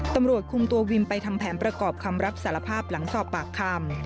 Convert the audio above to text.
ตำรวจคุมตัววิมไปทำแผนประกอบคำรับสารภาพหลังสอบปากคำ